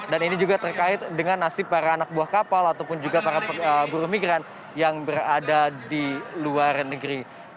dan ini juga terkait dengan nasib para anak buah kapal ataupun juga para buruh migran yang berada di dalam perusahaan